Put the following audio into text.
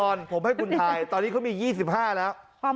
คุณพระราพรผมให้คุณถ่ายตอนนี้เขามี๒๕แล้ว